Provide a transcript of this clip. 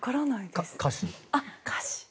歌詞。